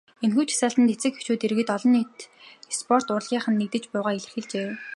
Энэхүү жагсаалд эцэг эхчүүд, иргэд олон нийт, спорт, урлагийнхан нэгдэж буйгаа илэрхийлжээ.